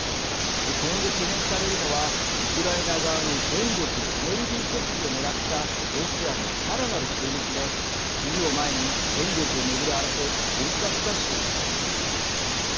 今後、懸念されるのはウクライナ側の電力エネルギー設備を狙ったロシアのさらなる攻撃で冬を前に電力を巡る争い本格化しています。